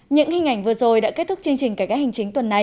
những hình ảnh vừa rồi đã kết thúc chương trình